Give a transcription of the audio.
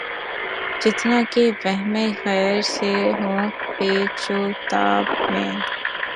جتنا کہ وہمِ غیر سے ہوں پیچ و تاب میں